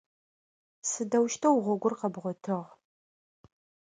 Сыдэущтэу гъогур къэбгъотыгъ?